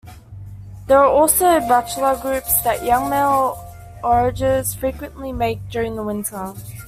There are also "bachelor groups" that young male onagers frequently make during the winter.